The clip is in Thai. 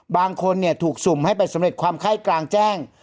บางคนถูกสุ่มให้ไปสำเร็จความไข้กลางแจ้ง